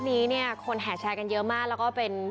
มีความรู้สึกว่ามีความรู้สึกว่า